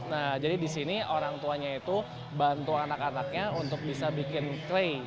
nah jadi di sini orang tuanya itu bantu anak anaknya untuk bisa bikin klay